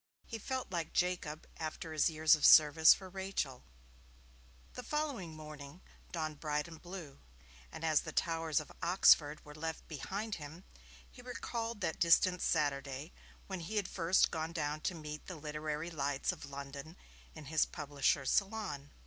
He felt like Jacob after his years of service for Rachel. The fateful morning dawned bright and blue, and, as the towers of Oxford were left behind him he recalled that distant Saturday when he had first gone down to meet the literary lights of London in his publisher's salon.